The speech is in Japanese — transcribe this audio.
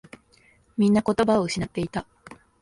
みんな言葉を失っていた。